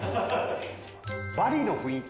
バリの雰囲気。